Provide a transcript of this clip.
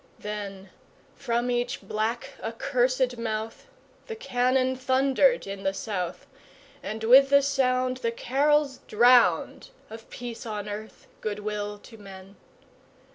Then from each black, accursed mouth The cannon thundered in the South, And with the sound The carols drowned Of peace on earth, good will to men!